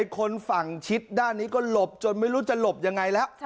คนฝั่งชิดด้านนี้ก็หลบจนไม่รู้จะหลบยังไงแล้ว